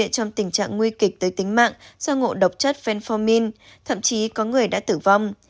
trong tình trạng nguy kịch tới tính mạng do ngộ độc chất fenformin thậm chí có người đã tử vong